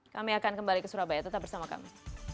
kami akan kembali ke surabaya tetap bersama kami